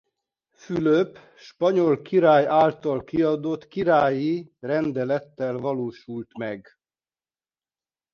Fülöp spanyol király által kiadott királyi rendelettel valósult meg.